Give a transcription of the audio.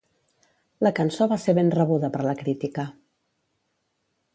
La cançó va ser ben rebuda per la crítica.